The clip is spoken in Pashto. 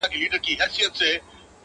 دادی ټکنده غرمه ورباندي راغله،